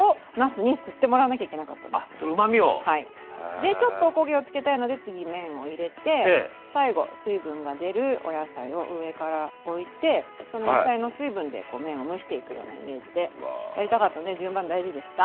でちょっとおこげをつけたいので次麺を入れて最後水分が出るお野菜を上から置いてその野菜の水分で麺を蒸していくようなイメージでやりたかったので順番大事でした。